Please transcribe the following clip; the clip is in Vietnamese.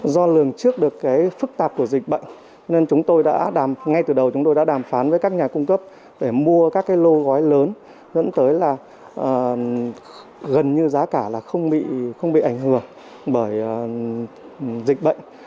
do lường trước được cái phức tạp của dịch bệnh nên chúng tôi đã làm ngay từ đầu chúng tôi đã đàm phán với các nhà cung cấp để mua các cái lô gói lớn dẫn tới là gần như giá cả là không bị ảnh hưởng bởi dịch bệnh